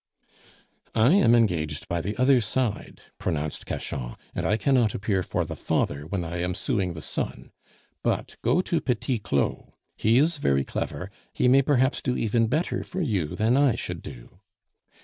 "I am engaged by the other side," pronounced Cachan, "and I cannot appear for the father when I am suing the son; but go to Petit Claud, he is very clever, he may perhaps do even better for you than I should do."